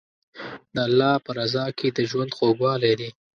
د الله په رضا کې د ژوند خوږوالی دی.